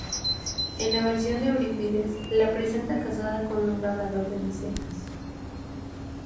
En la versión de Eurípides, la presenta casada con un labrador de Micenas.